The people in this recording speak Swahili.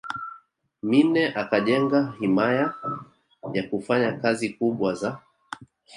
Minne akajenga himaya yakufanya kazi kubwa za